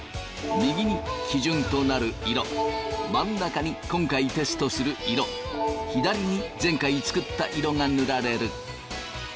右に基準となる色真ん中に今回テストする色左に前回作った色が塗られる。